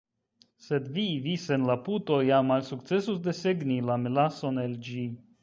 Sed vi, vi sen la puto ja malsukcesus desegni la melason el ĝi!